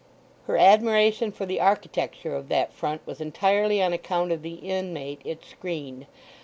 Her admiration for the architecture of that front was entirely on account of the inmate it screened.